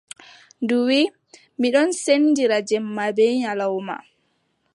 Ndu wii: mi ɗon sendindira jemma bee nyalawma.